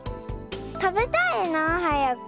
たべたいなあはやく。